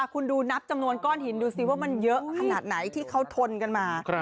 คุณดูนับจำนวนก้อนหินดูสิว่ามันเยอะขนาดไหนที่เขาทนกันมา